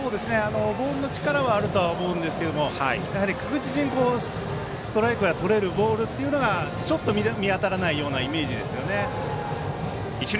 ボールの力はあると思うんですけどもやはり確実にストライクがとれるボールというのがちょっと見当たらないイメージですね。